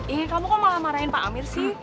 iya kamu kok malah marahin pak amir sih